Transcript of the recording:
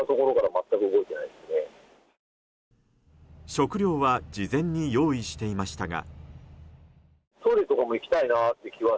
食料は事前に用意していましたが。